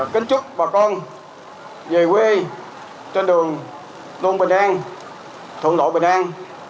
kính chúc bà con về quê trên đường luân bình an thuận lộ bình an